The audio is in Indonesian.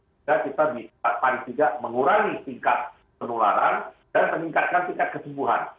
dan kita bisa paling tidak mengurangi tingkat penularan dan meningkatkan tingkat kesembuhan